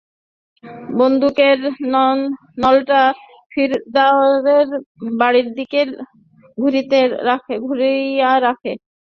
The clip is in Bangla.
বন্দুকের নলটা ফিয়ারদের বাড়ির দিকে ঘুরিয়ে রাখো।